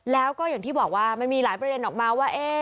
แล้วก็อย่างที่บอกว่ามันมีหลายประเด็นออกมาว่า